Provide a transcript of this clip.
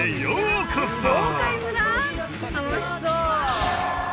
楽しそう。